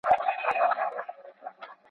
ټولنیز واقیعت د ګډو ارزښتونو پر بنسټ جوړېږي.